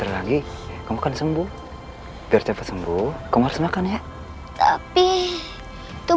sehingga membuat kakang ketakutan seperti itu